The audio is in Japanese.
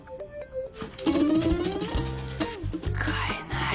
使えない。